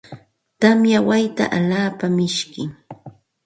Tamya wayta alaapa mishkim.